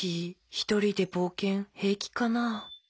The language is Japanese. ひとりでぼうけんへいきかな。